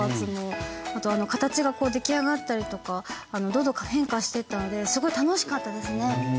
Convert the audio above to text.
あと形が出来上がったりとかどんどん変化してったのですごい楽しかったですね。